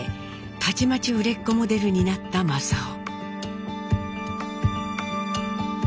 たちまち売れっ子モデルになった正雄。